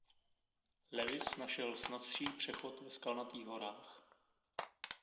Lewis našel snazší přechod ve Skalnatých horách.